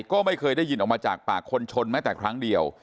ก็ไม่เคยได้ยินออกมาจากปากคนชนแม้แต่ครั้งเดียว